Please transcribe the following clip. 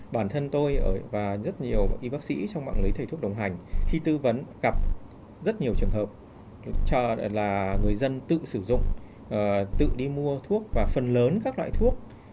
bản thân tôi và rất nhiều y bác sĩ trong mạng lưới thầy thuốc đồng hành khi tư vấn gặp rất nhiều trường hợp là người dân tự sử dụng tự đi mua thuốc và phần lớn các loại thuốc